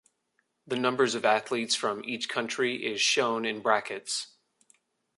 The numbers of athletes from each country is shown in brackets.